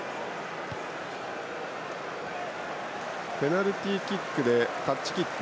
ペナルティーキックでタッチキック。